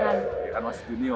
iya kan masih junior